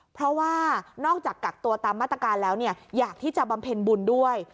เพราะว่านอกจากกักตัวตามมาตรการแล้วอยากที่จะบำเพ็ญบุญด้วย